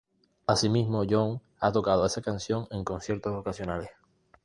Asimismo, Young ha tocado esa canción en conciertos ocasionales.